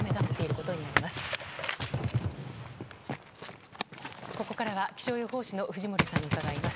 ここからは気象予報士の藤森さんに伺います。